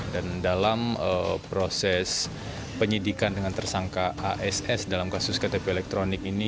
dan dalam proses penyidikan dengan tersangka hss dalam kasus ktp elektronik ini